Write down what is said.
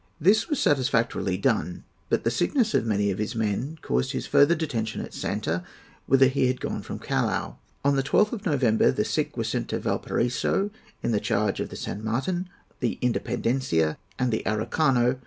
This was satisfactorily done; but the sickness of many of his men caused his further detention at Santa, whither he had gone from Callao. On the 21st of November the sick were sent to Valparaiso, in the charge of the San Martin, the Independencia, and the Araucano.